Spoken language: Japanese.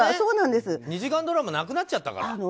２時間ドラマがなくなっちゃったから。